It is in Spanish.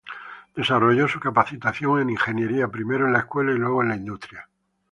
Desarrolló su capacitación en ingeniería primero en la escuela y luego en la industria.